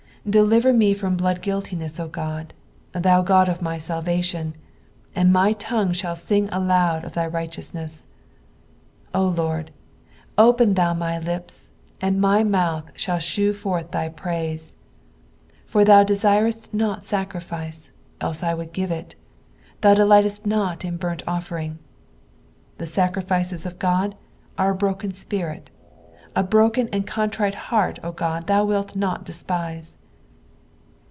14 Deliver ine from bloodguiltiness, O God, thou God of my salvation : and my tongue shall sing aloud of thy righteousness. 15 O Lord, open thou my lips; and my mouth shall shew forth thy praise. 16 For thou desirest not sacrifice; else would I give ii : thou delightest not in burnt ofTering. 17 The sacrifices of God are a. broken spirit : a broken and a contrite heart, O God, thou wilt not despise.